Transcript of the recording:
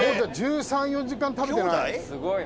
１３１４時間食べてない？